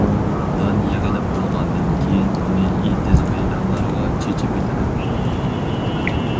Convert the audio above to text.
دان يىغىلىپ بولغاندىن كېيىن، ئۇنى ئېتىز، مەيدانلارغا چېچىۋېتىدۇ.